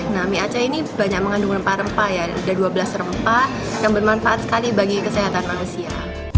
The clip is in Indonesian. nami aceh ini banyak mengandung rempah rempa ya dan dua belas rempah yang bermanfaat sekali bagi kesehatan manusia